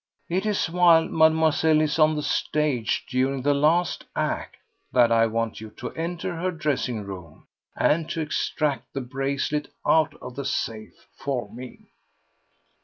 It is while Mademoiselle is on the stage during the last act that I want you to enter her dressing room and to extract the bracelet out of the safe for me."